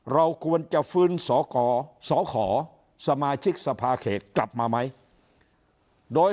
เราควรจะฟื้นสกสขสมาชิกสภาเขตกลับมาไหมโดย